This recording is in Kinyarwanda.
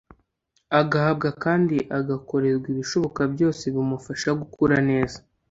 agahabwa kandi agakorerwa ibishoboka byose bimufasha gukura neza.